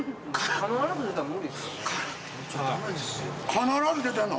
必ず出てんの？